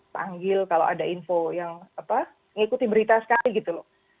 panggil kalau ada info yang apa ngikuti berita sekali gitu